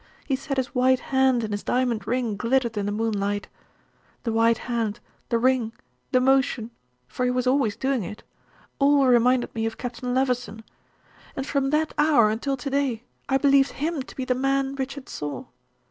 He said his white hand and his diamond ring glittered in the moonlight. The white hand, the ring, the motion for he was always doing it all reminded me of Captain Levison; and from that hour until to day I believed him to be the man Richard saw.